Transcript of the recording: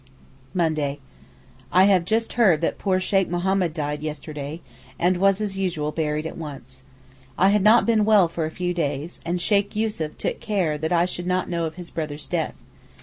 Monday.—I have just heard that poor Sheykh Mohammed died yesterday, and was, as usual, buried at once. I had not been well for a few days, and Sheykh Yussuf took care that I should not know of his brother's death.